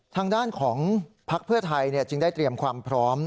ทางด้านของพักเพื่อไทยจึงได้เตรียมความพร้อม